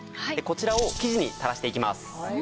こちらを生地に垂らしていきます。